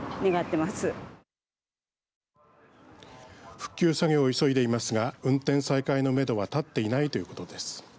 復旧作業を急いでいますが運転再開のめどは立っていないということです。